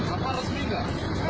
apa resmi enggak